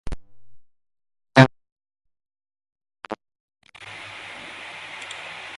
Trinh đang muốn quên đi điều đó